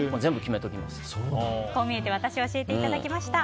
こう見えてワタシ教えていただきました。